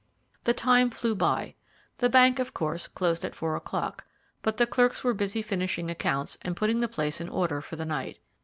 The time flew by: the bank had, of course, closed at four o'clock, but the clerks were busy finishing accounts and putting the place in order for the night.